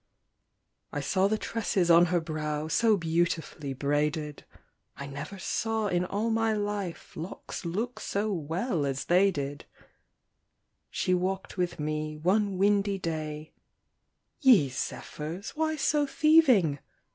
I saw the tresses on her brow So beautifully braided; I never saw in all my life Locks look so well as they did, She walked with me one windy day Ye zephyrs, why so thieving?